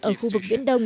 ở khu vực viễn đông